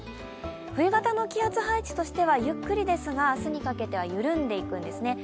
冬型の気圧配置としてはゆっくりですが、明日にかけては緩んでいくんですね。